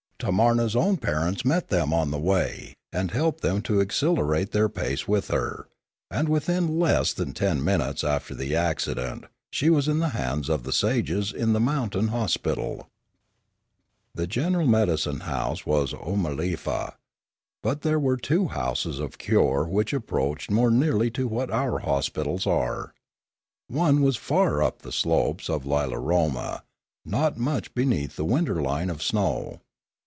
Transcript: Tanz ania's own parents met them on the way, and helped them to accelerate their pace with her; and within less than ten minutes after the accident she was in the hands of the sages in the mountain hospital. The general medical house was Oomalefa. But there were two houses of cure which approached more nearly to what our hospitals are. One was far up the slopes of Lilaroma, not much beneath the winter line of snow.